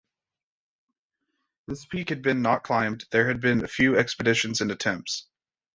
This peak have been not climbed, there have been a few expeditions and attempts.